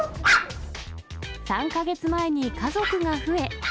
３か月前に家族が増え。